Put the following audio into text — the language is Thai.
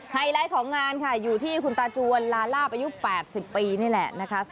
ไฮไลท์ของงานค่ะอยู่ที่คุณตาจวนลาลาบอายุ๘๐ปีนี่แหละนะคะ